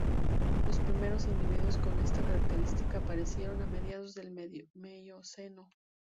Los primeros individuos con esta característica aparecieron a mediados del Mioceno.